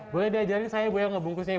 boleh diajarin saya bu ya ngebungkusnya bu ya